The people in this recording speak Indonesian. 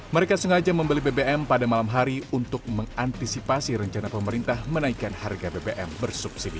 mereka sengaja membeli bbm pada malam hari untuk mengantisipasi rencana pemerintah menaikkan harga bbm bersubsidi